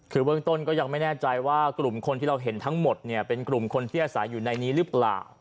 คือเบื้องต้นก็ยังไม่แน่ใจว่ากลุ่มคนที่เราเห็นทั้งหมดเนี่ยเป็นกลุ่มคนที่อาศัยอยู่ในนี้หรือเปล่า